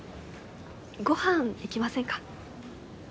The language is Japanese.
ごはん行きませんか？